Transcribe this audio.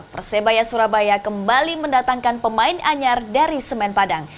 persebaya surabaya kembali mendatangkan pemain anyar dari semen padang